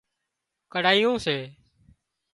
ڪڙهايون سي